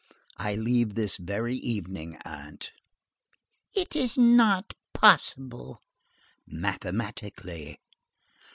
"I leave this very evening, aunt." "It is not possible!" "Mathematically!"